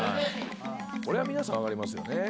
これは皆さん分かりますよね。